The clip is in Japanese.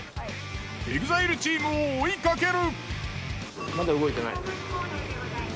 ＥＸＩＬＥチームを追いかける！